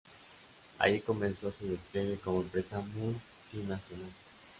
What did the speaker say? Allí comenzó su despliegue como empresa multinacional.